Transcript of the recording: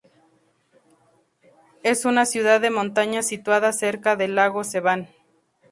Es una ciudad de montaña situada cerca del lago Sevan.